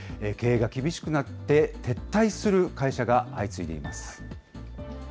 経営が厳しくなって、撤退する会社が相次いでいます。